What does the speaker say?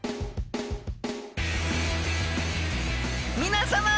皆様！